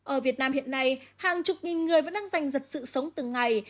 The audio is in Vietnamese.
ở việt nam hiện nay hàng chục nghìn người vẫn đang giành giật sự sống từng ngày